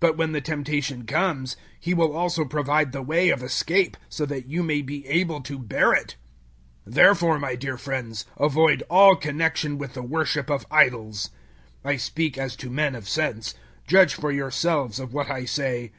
But, when the temptation comes, He will also provide the way of escape; so that you may be able to bear it. 010:014 Therefore, my dear friends, avoid all connection with the worship of idols. 010:015 I speak as to men of sense: judge for yourselves of what I say.